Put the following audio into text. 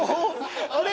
あれ？